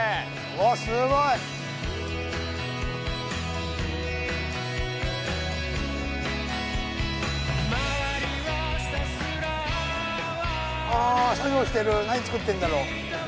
すごい！あ作業してる何作ってるんだろう。